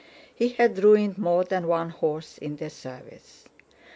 He had ruined more than one horse in their service.